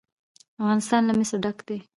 افغانستان له مس ډک دی.